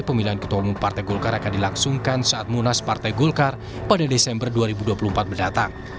pemilihan ketua umum partai golkar akan dilangsungkan saat munas partai golkar pada desember dua ribu dua puluh empat mendatang